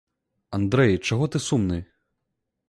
Андрэй, чаго ты сумны?